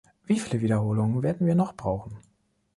Wie viele Wiederholungen werden wir noch brauchen?